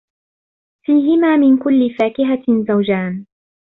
فِيهِمَا مِن كُلِّ فَاكِهَةٍ زَوْجَانِ